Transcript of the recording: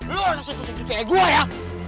lu jangan siku siku cewek gua ya